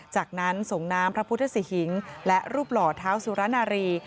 จากนั้นส่งน้ำพระพุทธสิหิงและรูปหล่อเท้าสุรนารี